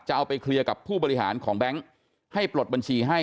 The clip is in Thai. เอาไปเคลียร์กับผู้บริหารของแบงค์ให้ปลดบัญชีให้